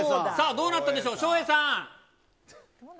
どうなったんでしょうか、照英さん。